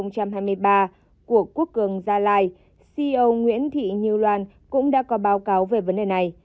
của quốc cường gia lai ceo nguyễn thị như loan cũng đã có báo cáo về vấn đề này